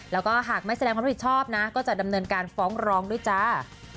แล้วก็หากไม่แสดงความรับผิดชอบนะก็จะดำเนินการฟ้องร้องด้วยจ้า